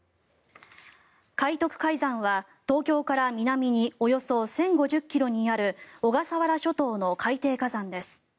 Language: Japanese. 海徳海山は東京から南におよそ１０５０ｋｍにある小笠原諸島の海底火山です。